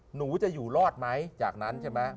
หนูจะอยู่รอดไหมจากนั้นใช่ไหม